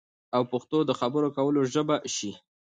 او پښتو د خبرو کولو ژبه شي